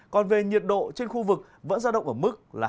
còn về nhiệt độ trên khu vực vẫn gia động ở mức là hai mươi ba ba mươi ba độ